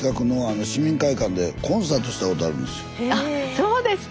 そうですか！